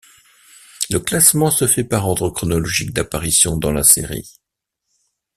Le classement se fait par ordre chronologique d'apparition dans la série.